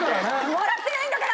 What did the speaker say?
もらってないんだから！